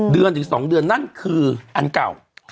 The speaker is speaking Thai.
เดือนหรือสองเดือนนั่นคืออันเก่า